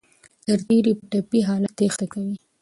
سرتیري په ټپي حالت تېښته کوي.